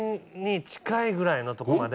ぐらいのとこまで。